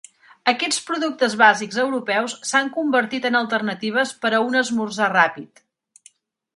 Aquests productes bàsics europeus s'han convertit en alternatives per a un esmorzar ràpid.